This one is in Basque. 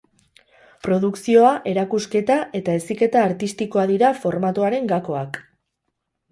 Produkzioa, erakusketa eta heziketa artistikoa dira formatoaren gakoak.